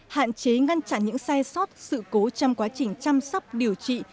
hạn chế ngăn chặn những sai sót sự cố trong quá trình chăm sóc điều trị